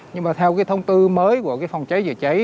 nhưng mà theo thông tư mới của phòng cháy chữa cháy